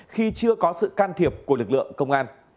khi chưa có sự can thiệp của lực lượng công an